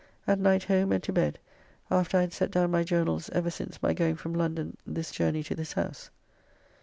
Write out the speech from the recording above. At night home and to bed after I had set down my journals ever since my going from London this journey to this house.